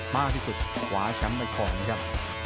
มากที่สุดขวาชั้นเป็นของนะครับ